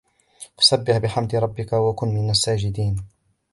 فسبح بحمد ربك وكن من الساجدين